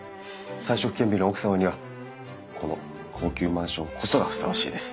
才色兼備の奥様にはこの高級マンションこそがふさわしいです。